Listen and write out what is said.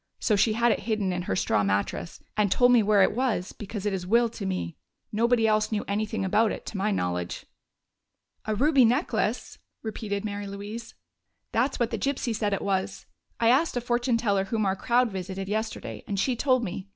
So she had it hidden in her straw mattress, and told me where it was, because it is willed to me. Nobody else knew anything about it, to my knowledge." "A ruby necklace!" repeated Mary Louise. "That's what the gypsy said it was. I asked a fortune teller whom our crowd visited yesterday, and she told me.